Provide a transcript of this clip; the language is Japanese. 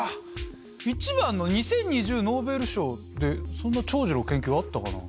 １番の「２０２０ノーベル賞」ってそんな長寿の研究あったかな？